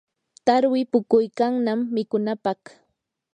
tarwi puquykannam mikunapaq.